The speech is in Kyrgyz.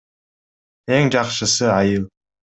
Эң жакшысы — айыл.